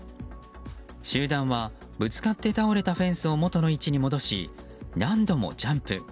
集団はぶつかって倒れたフェンスを元の位置に戻し何度もジャンプ。